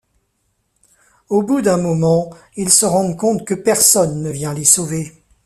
Au bout d'un moment, ils se rendent compte que personne ne vient les sauver.